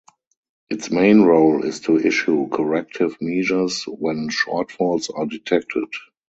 Its main role is to issue corrective measures when shortfalls are detected.